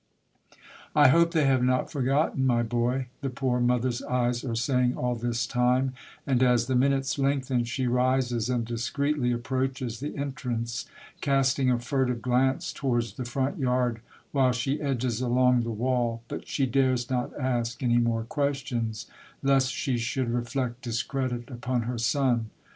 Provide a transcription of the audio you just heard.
" I hope they have not forgotten my boy," the poor mother's eyes are saying all this time ; and as the minutes lengthen she rises and discreetly ap proaches the entrance, casting a furtive glance towards the front yard, while she edges along the The Mother, yi wall, but she dares not ask any more questions, lest she should reflect discredit upon her son.